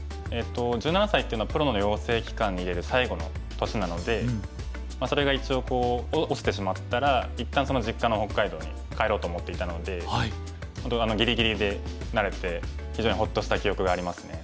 １７歳っていうのはプロの養成機関にいれる最後の年なのでそれが一応落ちてしまったら一旦実家の北海道に帰ろうと思っていたので本当ぎりぎりでなれて非常にほっとした記憶がありますね。